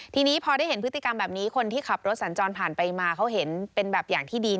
ทีนี้พอได้เห็นพฤติกรรมแบบนี้คนที่ขับรถสัญจรผ่านไปมาเขาเห็นเป็นแบบอย่างที่ดี